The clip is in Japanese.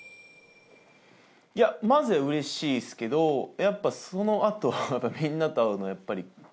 いやまずは嬉しいですけどやっぱそのあとみんなと会うのやっぱり。